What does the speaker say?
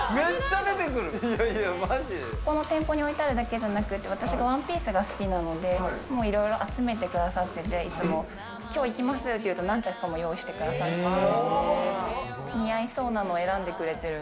この店舗に置いてあるだけじゃなくて、私がワンピースが好きなので、いろいろ集めてくださっていて、今日行きますっていうと、何着か用意してくださっている。